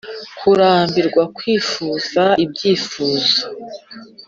kurambirwa: kwifuza ibyifuzo.